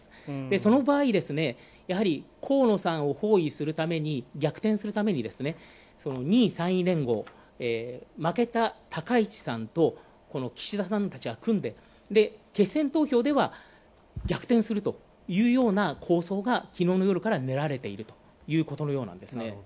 その場合、河野さんを包囲するために逆転するために、２位、３位連合、負けた高市さんと岸田さんたちが組んで、そして決選投票では逆転するというような構想がきのうの夜から練られているということなんですね。